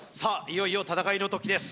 いよいよ戦いの時です